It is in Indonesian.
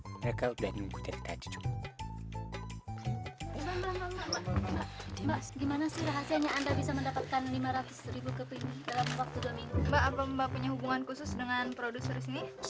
mereka udah nunggu dari tadi jung